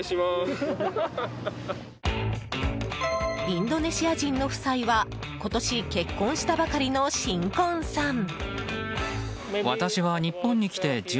インドネシア人の夫妻は今年結婚したばかりの新婚さん。